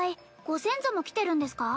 ご先祖も来てるんですか？